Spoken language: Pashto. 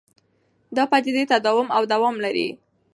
دا پدیدې تداوم او دوام لري.